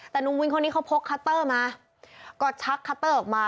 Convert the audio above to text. แต่หนุ่มวินคนนี้เขาพกคัตเตอร์มาก็ชักคัตเตอร์ออกมา